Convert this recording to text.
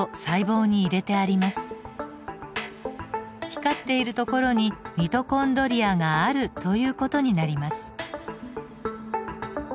光っているところにミトコンドリアがあるという事になります。